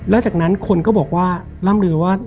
แล้วจากนั้นคนก็บอกว่าร่ำลือว่า